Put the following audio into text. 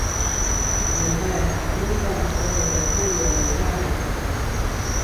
Iliungana na Tanganyika na kuunda Jamhuri ya Muungano wa Tanzania